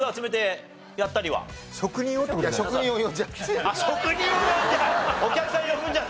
あっ職人を呼んじゃう！